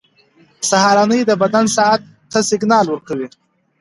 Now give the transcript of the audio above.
سهارنۍ د بدن ساعت ته سیګنال ورکوي.